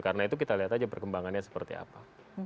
karena itu kita lihat aja perkembangannya seperti apa